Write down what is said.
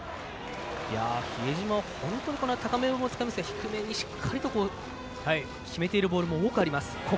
比江島、本当に高めも使いますが低めにしっかりと決めているボールも多くあります。